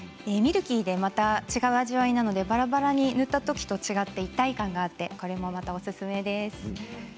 ミルキーでまた違う味わいなのでばらばらに塗ったときと違って一体感があってこれもまたおすすめです。